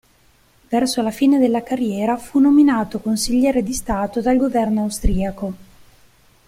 Verso la fine della carriera fu nominato Consigliere di Stato dal governo austriaco.